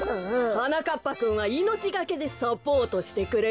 はなかっぱくんはいのちがけでサポートしてくれるよ。